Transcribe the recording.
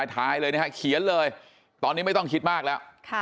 ผู้จำได้ถ่ายเลยนะครับเขียนเลยตอนนี้ไม่ต้องคิดมากแล้ว